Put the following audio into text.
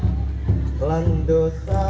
kami menibatkan gereja